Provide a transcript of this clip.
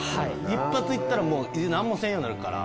一発行ったら何もせんようになるから。